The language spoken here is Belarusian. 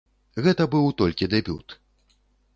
Гэта быў толькі дэбют.